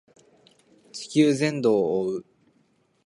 地球全土を覆う